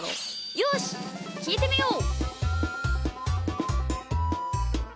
よしきいてみよう！